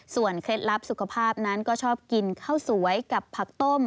เคล็ดลับสุขภาพนั้นก็ชอบกินข้าวสวยกับผักต้ม